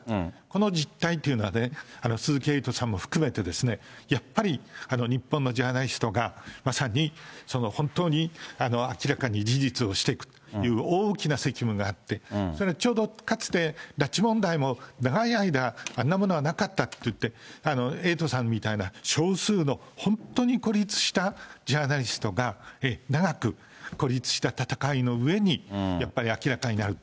この実態っていうのはね、鈴木エイトさんも含めてですね、やっぱり、日本のジャーナリストがまさに本当に明らかに事実をしていく、大きな責務があって、それはね、ちょうどかつて拉致問題も、長い間あんなものはなかったっていって、エイトさんみたいな、少数の、本当に孤立したジャーナリストが、長く孤立した戦いのうえに、やっぱり明らかになる。